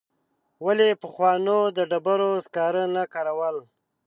ولي پخوانو د ډبرو سکاره نه کارول؟